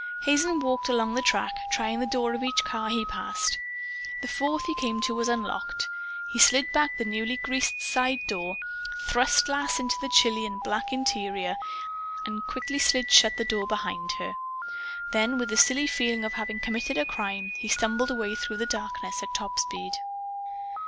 Hazen walked along the track, trying the door of each car he passed. The fourth he came to was unlocked. He slid back the newly greased side door, thrust Lass into the chilly and black interior and quickly slid shut the door behind her. Then with the silly feeling of having committed a crime, he stumbled away through the darkness at top speed.